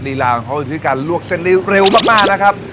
นี่ร้านเขาอยู่ที่การลวกเส้นได้เร็วมากนะครับ